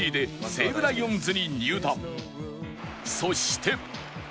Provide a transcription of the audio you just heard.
そして